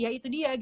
ya itu juga